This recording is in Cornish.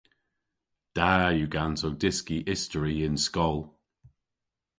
Da yw ganso dyski istori y�n skol.